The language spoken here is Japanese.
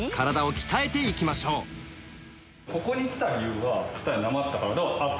ここに来た理由は。